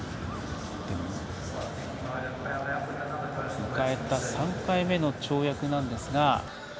迎えた３回目の跳躍なんですが。